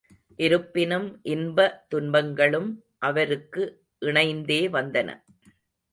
இருப்பினும் இன்ப துன்பங்களும் அவருக்கு இணைந்தே வந்தன.